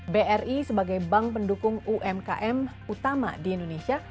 bri sebagai bank pendukung umkm utama di indonesia